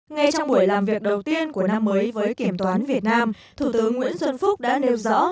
ngay trong buổi làm việc đầu tiên của năm mới với kiểm toán việt nam thủ tướng nguyễn xuân phúc đã nêu rõ